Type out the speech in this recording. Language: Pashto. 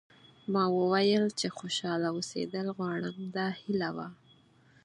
ما وویل چې خوشاله اوسېدل غواړم دا هیله وه.